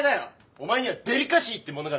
お前にはデリカシーってものがないんだ。